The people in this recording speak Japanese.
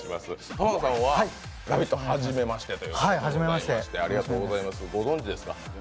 浜野さんは「ラヴィット！」、はじめましてということで、ご存じですか？